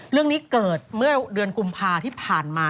เรื่องนี้เกิดเมื่อเดือนกุมภาที่ผ่านมา